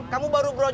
kamu baru belajar